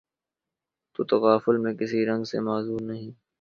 تو تغافل میں کسی رنگ سے معذور نہیں